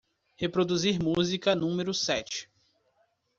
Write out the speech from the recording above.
Reproduzir música número sete.